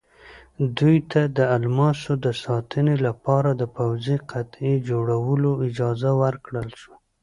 دوی ته د الماسو د ساتنې لپاره د پوځي قطعې جوړولو اجازه ورکړل شوه.